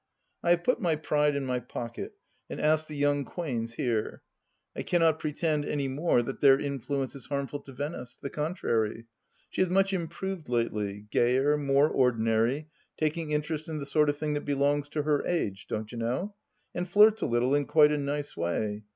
I have put my pride in my pocket, and asked the young Quains here. I cannot pretend any more that their influ ence is harmful to Venice. The contrary. She is much improved lately — gayer, more ordinary, taking interest in the sort of thing that belongs to her age, don't you know, and flirts a little in quite a nice way.